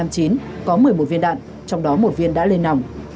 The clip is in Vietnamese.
có một mươi một viên đạn trong đó một viên đã lên nòng